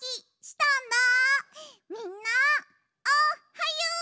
みんなおっはよ！